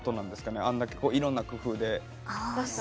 あんだけ、いろんな工夫で。